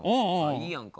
いいやんか。